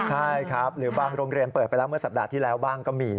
ใช่ครับหรือบางโรงเรียนเปิดไปแล้วเมื่อสัปดาห์ที่แล้วบ้างก็มี